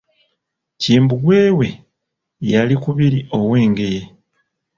Kimbugwe we yali Kubira ow'Engeye.